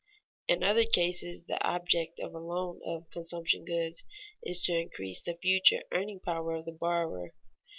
In other cases, the object of a loan of consumption goods is to increase the future earning power of the borrower.